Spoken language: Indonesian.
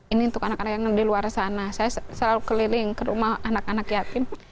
ini untuk anak anak yang di luar sana saya selalu keliling ke rumah anak anak yatim